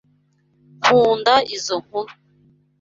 Nkunda izo nkuru.